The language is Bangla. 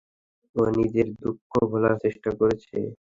ও নিজের দুঃখ ভোলার চেষ্টা করছে।